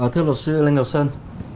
thưa luật sư lê ngọc sơn